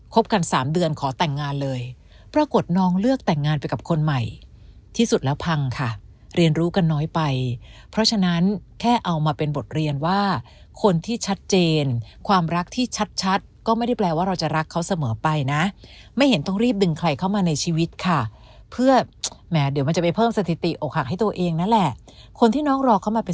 สามเดือนขอแต่งงานเลยปรากฏน้องเลือกแต่งงานไปกับคนใหม่ที่สุดแล้วพังค่ะเรียนรู้กันน้อยไปเพราะฉะนั้นแค่เอามาเป็นบทเรียนว่าคนที่ชัดเจนความรักที่ชัดก็ไม่ได้แปลว่าเราจะรักเขาเสมอไปนะไม่เห็นต้องรีบดึงใครเข้ามาในชีวิตค่ะเพื่อแหมเดี๋ยวมันจะไปเพิ่มสถิติอกหักให้ตัวเองนั่นแหละคนที่น้องรอเข้ามาเป็น